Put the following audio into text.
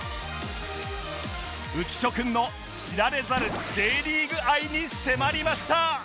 浮所君の知られざる Ｊ リーグ愛に迫りました